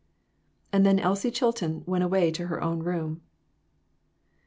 And then Elsie Chilton went away to her own room.